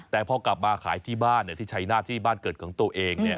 แต่พอกลับมาขายที่บ้านที่ชัยหน้าที่บ้านเกิดของตัวเอง